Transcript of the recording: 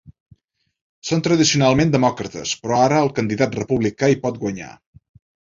Són tradicionalment demòcrates, però ara el candidat republicà hi pot guanyar.